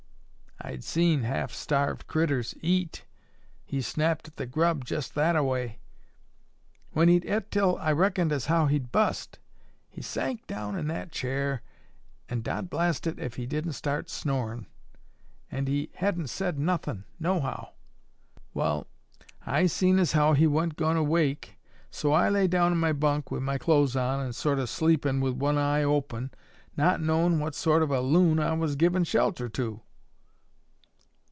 I'd seen half starved critters eat. He snapped at the grub jest that a way. When he'd et till I reckoned as how he'd bust, he sank down in that chair an' dod blast it, ef he didn't start snorin', an' he hadn't sed nothin', nohow. Wall, I seen as how he wa'n't goin' to wake, so I lay down on my bunk wi' my clothes on, sort o' sleepin' wi' one eye open, not knowin' what sort of a loon I was givin' shelter to.